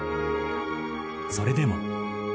それでも。